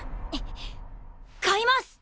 買います！